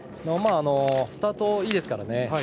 スタート、いいですから。